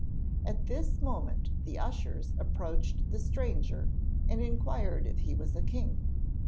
At this moment the ushers approached the stranger and inquired if he was a king.